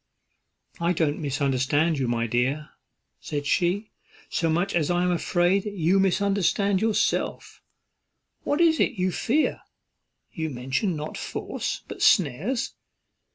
"I don't misunderstand you, my dear," said she, "so much as I am afraid you misunderstand yourself. What is it you fear? you mention not force, but snares.